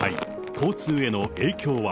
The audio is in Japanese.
交通への影響は。